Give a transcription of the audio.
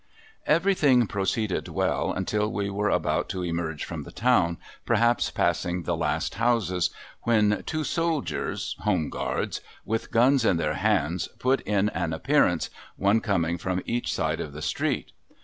Everything proceeded well until we were about to emerge from the town, perhaps passing the last houses, when two soldiers (Home Guards), with guns in their hands, put in an appearance, one coming from each side of the street.